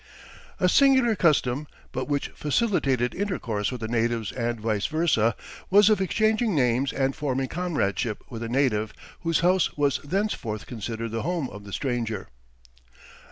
"A singular custom, but which facilitated intercourse with the natives and vice versa, was of exchanging names and forming comradeship with a native, whose house was thenceforth considered the home of the stranger."